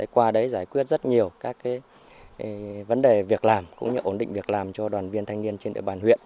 qua đấy giải quyết rất nhiều các vấn đề việc làm cũng như ổn định việc làm cho đoàn viên thanh niên trên địa bàn huyện